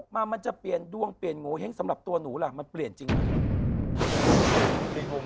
มันจะเปลี่ยนดวงเปลี่ยนแล้วใจสำหรับตัวหนูแล้วมันเปลี่ยนตั้ง